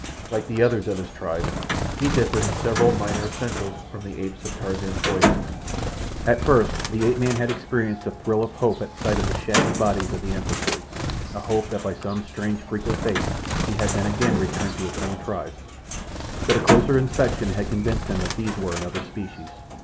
Like the others of his tribe, he differed in several minor essentials from the apes of Tarzan's boyhood. At first the ape man had experienced a thrill of hope at sight of the shaggy bodies of the anthropoids—a hope that by some strange freak of fate he had been again returned to his own tribe; but a closer inspection had convinced him that these were another species.